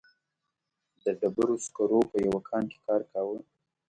د ډبرو سکرو په یوه کان کې کار کاوه.